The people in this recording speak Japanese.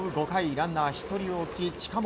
ランナー１人置き、近本。